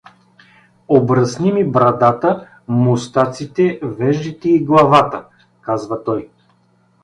„Обръсни ми брадата, мустаците, веждите и главата“, казва той.